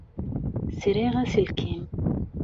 Sriɣ aselkim.